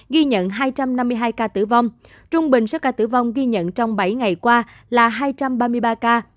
ghi nhận hai trăm năm mươi hai ca tử vong trung bình số ca tử vong ghi nhận trong bảy ngày qua là hai trăm ba mươi ba ca